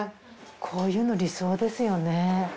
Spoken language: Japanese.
こういうの理想ですよね。